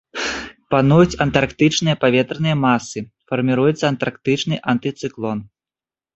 Пануюць антарктычныя паветраныя масы, фарміруецца антарктычны антыцыклон.